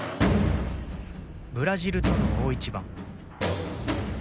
ブラジルとの大一番。